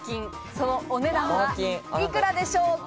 そのお値段は幾らでしょうか？